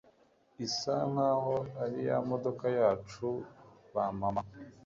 isa nkaho ari ya modoka yacu ba mama